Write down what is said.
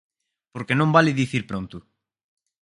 Porque non vale dicir pronto.